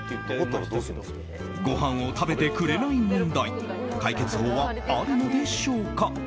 ごはんを食べてくれない問題解決法はあるのでしょうか？